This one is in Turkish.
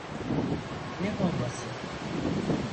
Ne bombası?